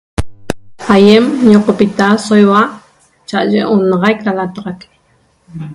Aýem ñiqopita so iua cha'aye onaxaic da lataxac